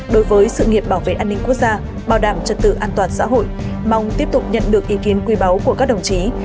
đối với sự nghiệp bảo vệ an ninh quốc gia bảo đảm trật tự an toàn xã hội mong tiếp tục nhận được ý kiến quý báu của các đồng chí